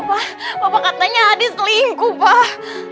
pak papa katanya adi selingkuh pak